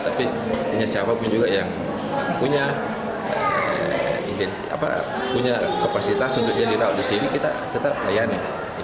tapi punya siapapun juga yang punya kapasitas untuk jadi laudisi ini kita layani